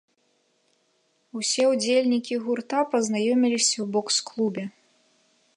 Усе ўдзельнікі гурта пазнаёміліся ў бокс-клубе.